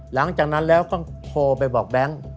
หลังจากนั้นแล้วก็โทรไปบอกแบงค์